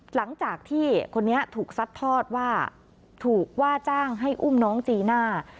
หลังจากที่คนนี้ถูกซัดทอดว่าถูกว่าจ้างให้อุ้มน้องจีน่า